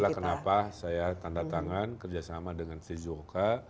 itulah kenapa saya tanda tangan kerjasama dengan sejurka